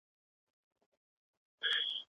په غږ کې یو عجیب خوږ درد نغښتی.